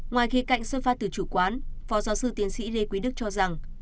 ngoài khí cạnh xuất phát từ chủ quán phó giáo sư tiến sĩ lê quý đức cho rằng